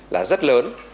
là rất lớn